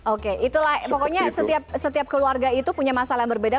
oke itulah pokoknya setiap keluarga itu punya masalah yang berbeda